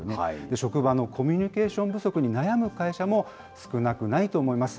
職場のコミュニケーション不足に悩む会社も少なくないと思います。